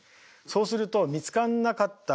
そうすると見つからなかった